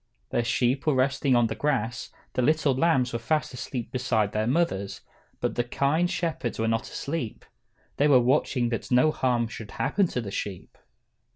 The sheep were resting on the grass, the little lambs were fast asleep beside their mothers, but the kind shepherds were not asleep. They were watching that no harm should happen to the sheep.